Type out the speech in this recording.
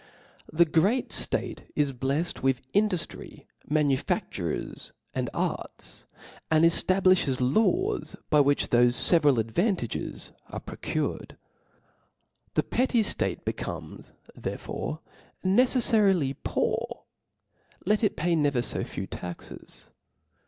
The great ftate is blefled with induftry, manufadures^ and arts ; and eftabtifhes laws by which thofe feveral ad i^ntages are procured. The petty ftate becomes therefore necefiarily poor, let it pay never fo few taxes.